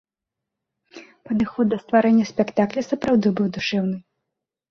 Падыход да стварэння спектакля сапраўды быў душэўны.